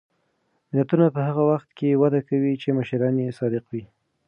ملتونه په هغه وخت کې وده کوي چې مشران یې صادق وي.